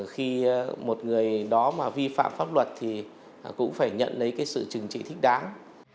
khi một người đó mà vi phạm pháp luật thì cũng phải nhận lấy cái sự trừng trị thích đáng